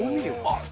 あっ！